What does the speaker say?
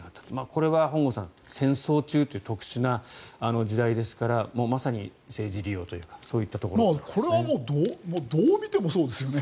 これは本郷さん戦争中という特殊な時代ですからまさに政治利用というかそういうことがあったわけですね。